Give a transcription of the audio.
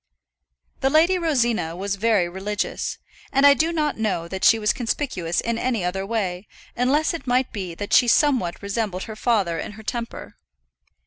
The Lady Rosina was very religious; and I do not know that she was conspicuous in any other way, unless it might be that she somewhat resembled her father in her temper.